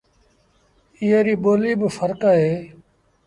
ايئي ريٚ ٻوليٚ با ڦرڪ اهي